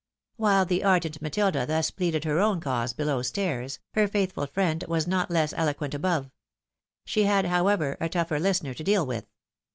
WHle the ardent Matilda thus pleaded her own cause below stairs, her faithful friend was not less eloquent above. She had, however, a tougher listener to deal with.